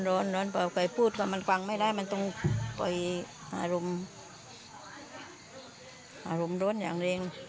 โรนพอไปพูดก็มันกว้างไม่ได้มันต้องก่อยอารมณ์โรนอย่างเร็ง